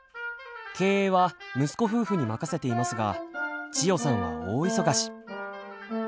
経営は息子夫婦に任せていますが千代さんは大忙し。